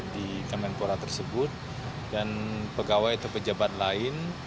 di kemenpora tersebut dan pegawai atau pejabat lain